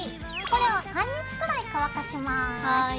これを半日くらい乾かします。